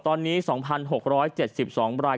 ตอนนี้๒๖๗๒ราย